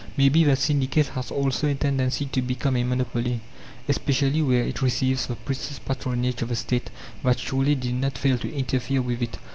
Maybe the syndicate has also a tendency to become a monopoly, especially where it receives the precious patronage of the State that surely did not fail to interfere with it.